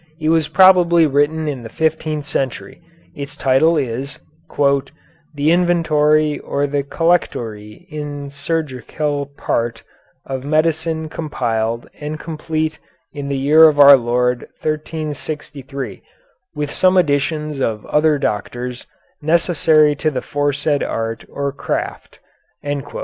It was probably written in the fifteenth century. Its title is: "The inventorie or the collectorie in cirurgicale parte of medicine compiled and complete in the yere of our Lord 1363, with some additions of other doctours, necessary to the foresaid arte or crapte (crafte?)."